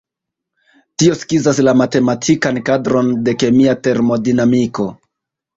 Tio skizas la matematikan kadron de kemia termodinamiko.